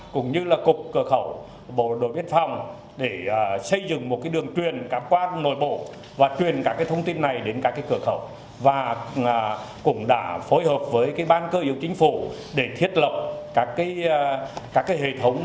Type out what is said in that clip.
cục trưởng cục quản lý xuất nhập cảnh